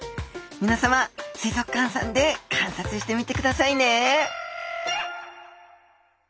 みなさま水族館さんで観察してみてくださいね